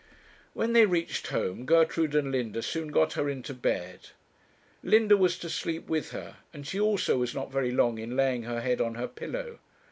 When they reached home Gertrude and Linda soon got her into bed. Linda was to sleep with her, and she also was not very long in laying her head on her pillow.